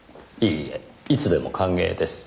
いいえいつでも歓迎です。